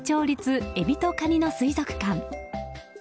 立エビとカニの水族館。